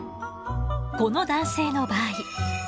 この男性の場合。